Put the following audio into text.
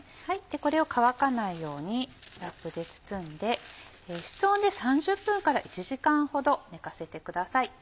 これを乾かないようにラップで包んで室温で３０分から１時間ほど寝かせてください。